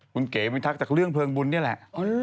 คุณเก๋วิทักษ์จากเรื่องเพลิงบุญนี่แหละ